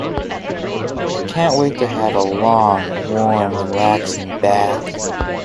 I can't wait to have a long warm, relaxing bath.